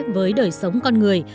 với đời sống con người